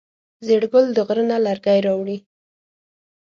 زیړ ګل د غره نه لرګی راوړی.